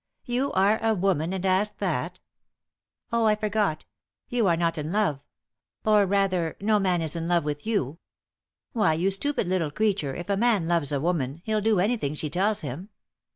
"You are a woman and ask that? Oh, I forgot you are not in love or rather, no man is in love with you. Why, you stupid little creature if a man loves a woman, he'll do anything she tells him.